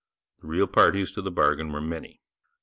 The real parties to the bargain were many.